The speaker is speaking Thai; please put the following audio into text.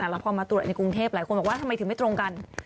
แล้วพอมาตรวจในกรุงเทพหลายคนบอกว่าทำไมถึงไม่ตรงกัน